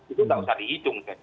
itu tidak usah dihitung